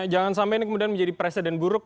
jangan sampai ini kemudian menjadi presiden buruk